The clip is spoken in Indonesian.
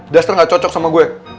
dester gak cocok sama gue